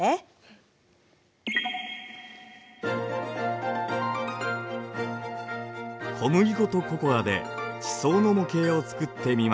小麦粉とココアで地層の模型をつくってみました。